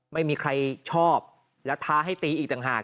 ไม่มีใครชอบแล้วท้าให้ตีอีกต่างหาก